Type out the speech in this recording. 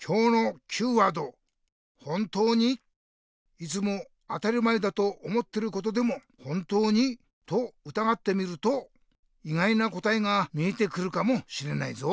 いつも当り前だと思ってることでも「本当に？」とうたがってみるといがいなこたえが見えてくるかもしれないぞ。